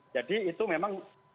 jadi itu memang